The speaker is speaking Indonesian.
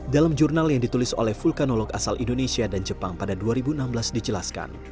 dalam jurnal yang ditulis oleh vulkanolog asal indonesia dan jepang pada dua ribu enam belas dijelaskan